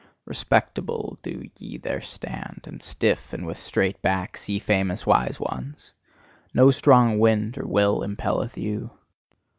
Respectable do ye there stand, and stiff, and with straight backs, ye famous wise ones! no strong wind or will impelleth you.